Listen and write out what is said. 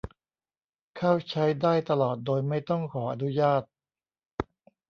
เข้าใช้ได้ตลอดโดยไม่ต้องขออนุญาต